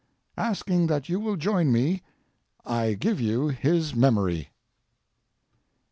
Asking that you will join me, I give you his memory.